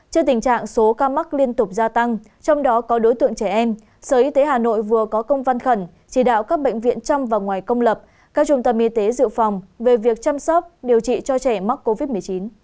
trước tình trạng số ca mắc liên tục gia tăng trong đó có đối tượng trẻ em sở y tế hà nội vừa có công văn khẩn chỉ đạo các bệnh viện trong và ngoài công lập các trung tâm y tế dự phòng về việc chăm sóc điều trị cho trẻ mắc covid một mươi chín